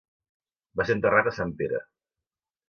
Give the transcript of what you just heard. Va ser enterrat a Sant Pere.